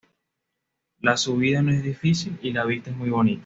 La subida no es difícil y la vista es muy bonita.